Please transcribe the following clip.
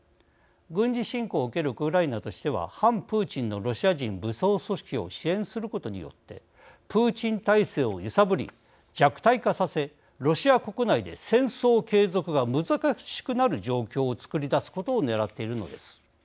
軍事侵攻を受けるウクライナとしては反プーチンのロシア人武装組織を支援することによってプーチン体制を揺さぶり弱体化させロシア国内で戦争継続が難しくなる状況を作り出すことをねらっているのです。